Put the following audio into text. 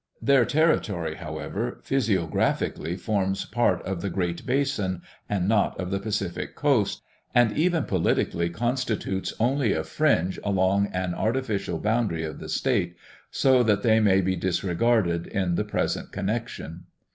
Their territory, however, physiographically forms part of the Great Basin and not of the Pacific coast and even politically constitutes only a fringe along an artificial boundary of the state, so that they may be disregarded in the present connection.